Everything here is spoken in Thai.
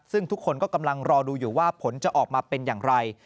ซึ่งทุกคนก็กำลังรอดูอยู่ว่าผลจะออกมาเป็นอย่างไร